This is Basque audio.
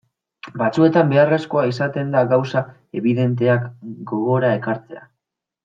Batzuetan beharrezkoa izaten da gauza ebidenteak gogora ekartzea.